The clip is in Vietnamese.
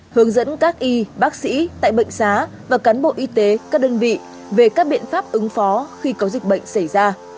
hướng dẫn các y bác sĩ tại bệnh xá và cán bộ y tế các đơn vị về các biện pháp ứng phó khi có dịch bệnh xảy ra